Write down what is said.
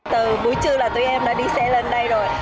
từ buổi trưa là tụi em đã đi xe lên đây rồi